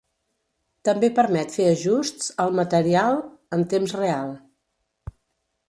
També permet fer ajusts al material en temps real.